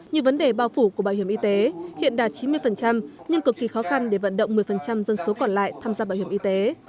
như vấn đề bao phủ của bảo hiểm y tế hiện đạt chín mươi nhưng cực kỳ khó khăn để vận động một mươi dân số còn lại tham gia bảo hiểm y tế